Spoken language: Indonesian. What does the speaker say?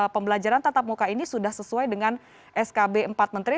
pembelajaran tatap muka ini sudah sesuai dengan skb empat menteri